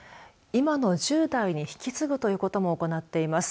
今の１０代に引き継ぐということも行っています。